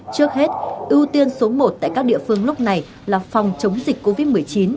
trước hết ưu tiên số một tại các địa phương lúc này là phòng chống dịch covid một mươi chín